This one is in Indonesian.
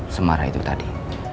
semarah itu tadi